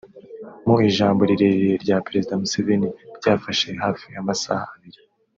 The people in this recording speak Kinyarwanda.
Mu ijambo rirerire rya Perezida Museveni ryafashe hafi amasaha abiri